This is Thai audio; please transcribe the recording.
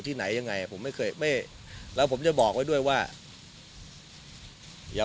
ไหนยังไงผมไม่เคยไม่แล้วผมจะบอกไว้ด้วยว่าอย่า